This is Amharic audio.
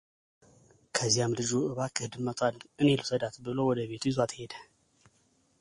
ከዚያም ልጁ እባክህ ድመቷን እኔ ልውሰዳት ብሎ ወደቤቱ ይዟት ሄደ፡፡